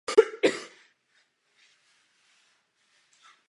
Na jaře po přezimování se dospělci páří.